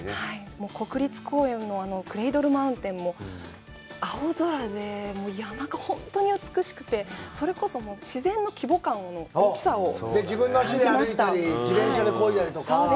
国立公園のクレイドル・マウンテンも青空で、山が本当に美しくて、それこそ自然の規模感、大きさを、自分の足で歩いたり、自転車をこいだりとか。